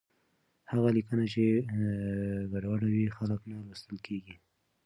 هغه لیکنه چې ګډوډه وي، خلک نه لوستل کېږي.